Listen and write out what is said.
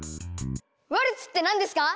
ワルツって何ですか？